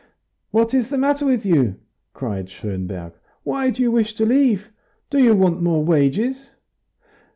"What is the matter with you?" cried Schonberg. "Why do you wish to leave? Do you want more wages?"